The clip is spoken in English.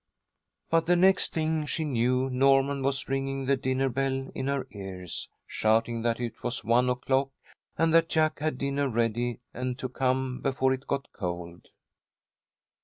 But the next thing she knew, Norman was ringing the dinner bell in her ears, shouting that it was one o'clock, and that Jack had dinner ready, and to come before it got cold.